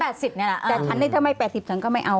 แต่ธันเนี่ยถ้าไม่๘๐ถ้างั้นก็ไม่เอา